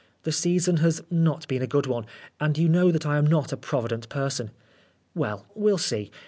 The season has not been a good one, and you know that I am not a provident Oscar Wilde person. Well, we'll see.